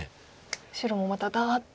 白もまたダーッて。